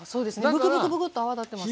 ブクブクブクっと泡立ってますが。